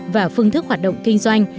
và phương thức hoạt động kinh doanh